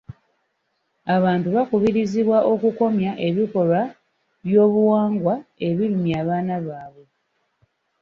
Abantu bakubirizibwa okukomya ebikolwa byobuwangwa ebirumya abaana baabwe.